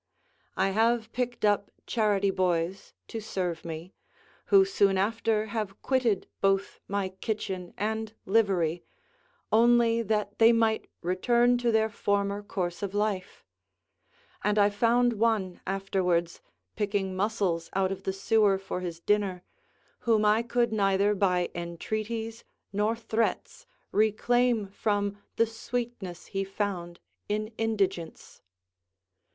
I have picked up charity boys to serve me: who soon after have quitted both my kitchen and livery, only that they might return to their former course of life; and I found one afterwards, picking mussels out of the sewer for his dinner, whom I could neither by entreaties nor threats reclaim from the sweetness he found in indigence.